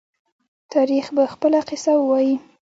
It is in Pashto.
تاریخ به خپله قصه ووايي.